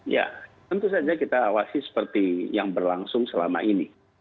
ya tentu saja kita awasi seperti yang berlangsung selama ini